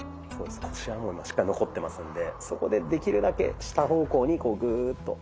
腰はしっかり残ってますんでそこでできるだけ下方向にこうグーッと。